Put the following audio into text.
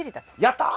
やった！